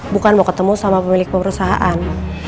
bukan mau ketemu sama pemilik perusahaan